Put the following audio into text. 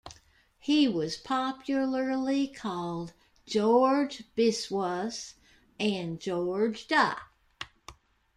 He was popularly called "George Biswas" and "George Da".